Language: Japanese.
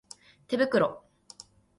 手袋